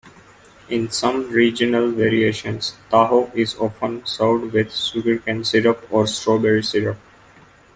In some regional variations, taho is often served with sugarcane syrup or strawberry syrup.